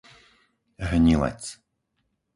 Hnilec